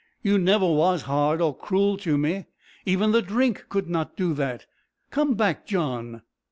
You never was hard or cruel to me! Even the drink could not do that. Come back, John!"